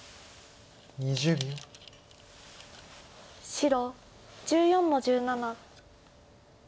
白１４の十七。